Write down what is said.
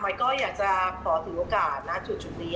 ค่ะขออยากจะจะเริ่มแข่งมีโอกาสในที่นี่